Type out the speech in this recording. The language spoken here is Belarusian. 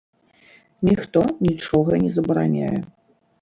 Ніхто нічога не забараняе.